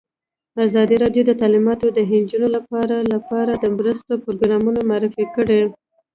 ازادي راډیو د تعلیمات د نجونو لپاره لپاره د مرستو پروګرامونه معرفي کړي.